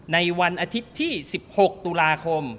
ในวันอาทิตย์ที่๑๖ตุลาคม